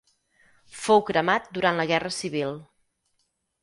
Fou cremat durant la Guerra Civil.